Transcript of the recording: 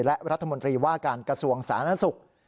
และรัฐมนตรีว่าการกระทรวงสาธารณสุข